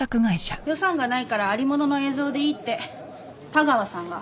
予算がないからありものの映像でいいって田川さんが。